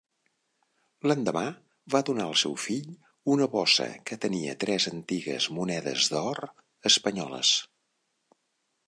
L'endemà va donar al seu fill una bossa que tenia tres antigues monedes d'or espanyoles.